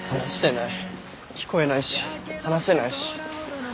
聞こえないし話せないし。